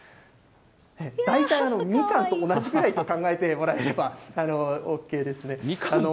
大体みかんと同じぐらいと考えてもらえればＯＫですね。